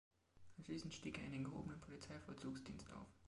Anschließend stieg er in den gehobenen Polizeivollzugsdienst auf.